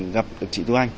gặp được chị tu anh